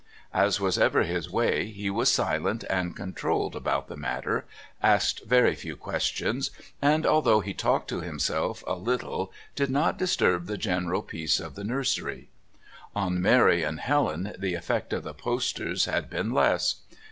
As was ever his way he was silent and controlled about the matter, asked very few questions, and although he talked to himself a little did not disturb the general peace of the nursery. On Mary and Helen the effect of the posters had been less.